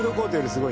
すごい！